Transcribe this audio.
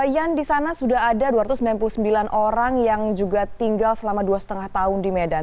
yan di sana sudah ada dua ratus sembilan puluh sembilan orang yang juga tinggal selama dua lima tahun di medan